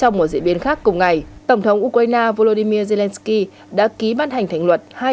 trong một diễn biến khác cùng ngày tổng thống ukraine volodymyr zelenskyy đã ký bắt hành thành luật